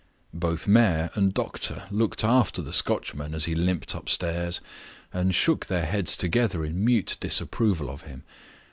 Both mayor and doctor looked after the Scotchman as he limped upstairs, and shook their heads together in mute disapproval of him.